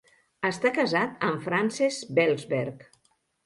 Està casat amb Frances Belzberg.